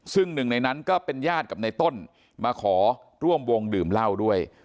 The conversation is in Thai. ซึ่งหนึ่งในนั้นก็เป็นญาติกับในต้นมาขอร่วมวงดื่มเหล้าด้วย